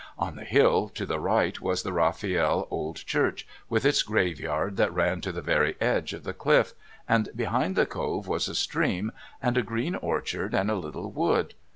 On the hill to the right was the Rafiel Old Church, with its graveyard that ran to the very edge of the cliff, and behind the Cove was a stream and a green orchard and a little wood.